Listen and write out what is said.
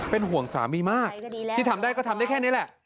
เป็นห่วงสามีมากที่ทำได้ก็ทำได้แค่นี้แหละ